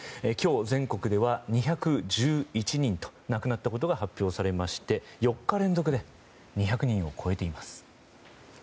今日、全国では２１１人が亡くなったことが発表されまして４日連続で２００人を超えています。